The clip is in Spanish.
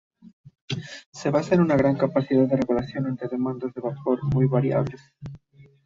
Se basa en una gran capacidad de regulación ante demandas de vapor muy variables.